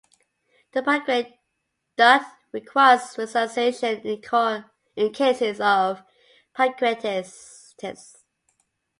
The pancreatic duct requires visualisation in cases of pancreatitis.